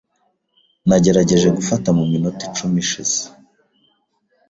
Nagerageje gufata muminota icumi ishize.